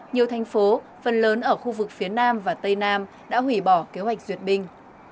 nhiều thành phố phần lớn ở khu vực phía nam và tây nam đã hủy bỏ kế hoạch duyệt binh